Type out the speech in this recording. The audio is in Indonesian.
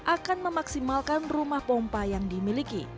akan memaksimalkan rumah pompa yang dimiliki